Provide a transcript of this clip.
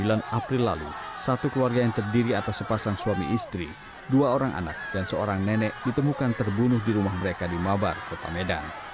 sembilan april lalu satu keluarga yang terdiri atas sepasang suami istri dua orang anak dan seorang nenek ditemukan terbunuh di rumah mereka di mabar kota medan